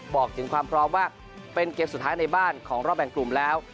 บอกถึงความพร้อมว่าเป็นเกมสุดท้ายในบ้านของรอบแบ่งกลุ่มแล้ว